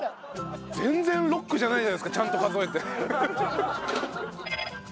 全然ロックじゃないじゃないですかちゃんと数えて。